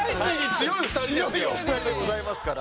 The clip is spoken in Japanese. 強いお二人でございますから。